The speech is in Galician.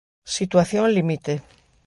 Situación límite.